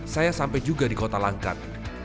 saya sampai juga di kota langkat